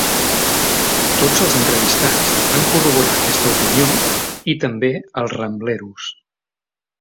Tots els entrevistats van corroborar aquesta opinió, i també els Rambleros.